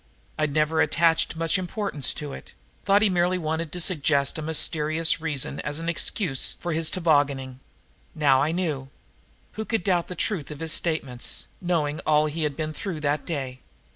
I'd never attached much importance to it thought he merely wanted to suggest a mysterious reason as an excuse for his tobogganing. Now, I knew. Who could doubt the truth of his statements, knowing all he had been through that day?